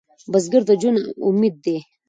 بزګر د ژوند امید دی